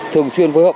thường xuyên phối hợp